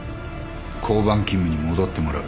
交番勤務に戻ってもらう。